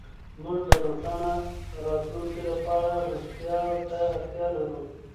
موږ د روښانه راتلونکي لپاره رښتيا ته اړتيا لرو.